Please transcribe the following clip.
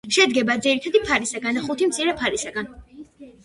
შედგება ძირითადი ფარისაგან და ხუთი მცირე ფარისაგან.